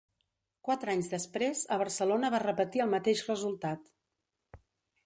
Quatre anys després a Barcelona va repetir el mateix resultat.